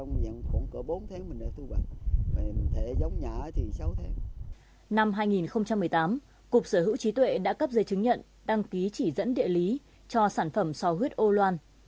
năm hai nghìn một mươi tám cục sở hữu trí tuệ đã cấp giấy chứng nhận đăng ký chỉ dẫn địa lý cho sản phẩm so huyết âu loan